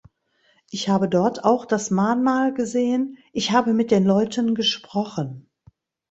Ich habe dort auch das Mahnmal gesehen, ich habe mit den Leuten gesprochen.